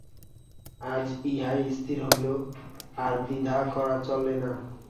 আজ ইহাই স্থির হইল, আর দ্বিধা করা চলে না।